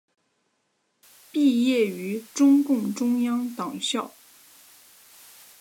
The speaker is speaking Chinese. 毕业于中共中央党校。